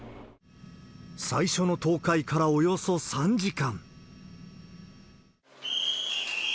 最初の倒壊からおよそ３時間。